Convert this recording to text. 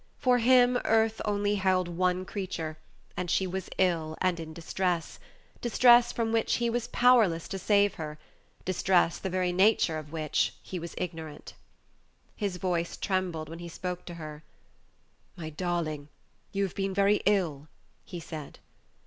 For him earth only held one creature, and she was ill and in distress distress from which he was powerless to save her distress the very nature of which he was ignorant. His voice trembled when he spoke to her. "My darling, you have been very ill," he said.